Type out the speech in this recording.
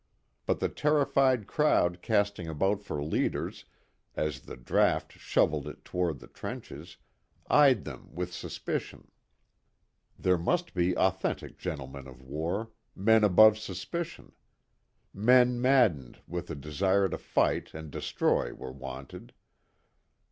But the terrified crowd casting about for leaders, as the draft shovelled it toward the trenches, eyed them with suspicion. There must be authentic gentlemen of war men above suspicion. Men maddened with a desire to fight and destroy were wanted.